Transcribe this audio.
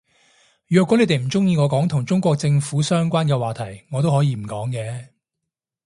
若果你哋唔鍾意我講同中國政府相關嘅話題我都可以唔講嘅